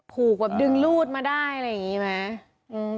ผูกแบบดึงรูดมาได้อะไรอย่างนี้ไหม